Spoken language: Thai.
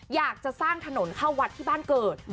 อยากจะสร้างถนนเข้าวัดที่บ้านเกิด